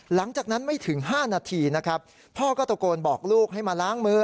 หลังจากนั้นไม่ถึง๕นาทีนะครับพ่อก็ตะโกนบอกลูกให้มาล้างมือ